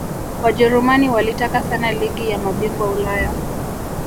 Wajerumani walitaka sana ligi ya mabingwa Ulaya